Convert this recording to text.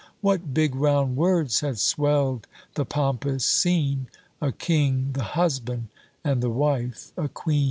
What big round words had swell'd the pompous scene, A king the husband, and the wife a queen.